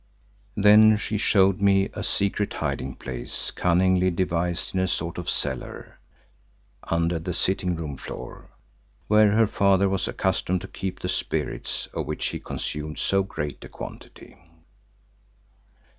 Then she showed me a secret hiding place cunningly devised in a sort of cellar under the sitting room floor, where her father was accustomed to keep the spirits of which he consumed so great a quantity.